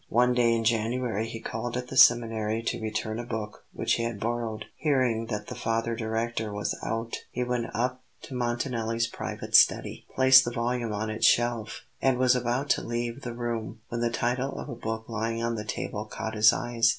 One day in January he called at the seminary to return a book which he had borrowed. Hearing that the Father Director was out, he went up to Montanelli's private study, placed the volume on its shelf, and was about to leave the room when the title of a book lying on the table caught his eyes.